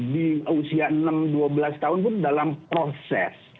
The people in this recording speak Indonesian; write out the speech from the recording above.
di usia enam dua belas tahun pun dalam proses